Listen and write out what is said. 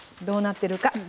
どうなってるか。